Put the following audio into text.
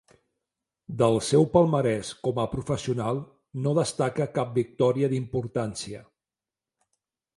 Del seu palmarès com a professional no destaca cap victòria d'importància.